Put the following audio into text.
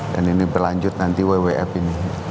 ini berlanjut nanti wwf ini